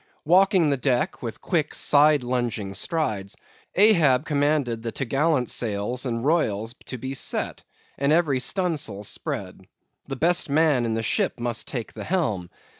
Walking the deck with quick, side lunging strides, Ahab commanded the t'gallant sails and royals to be set, and every stunsail spread. The best man in the ship must take the helm.